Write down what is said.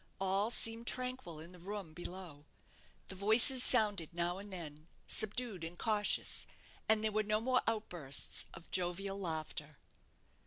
All seemed tranquil in the room below. The voices sounded now and then, subdued and cautious, and there were no more outbursts of jovial laughter.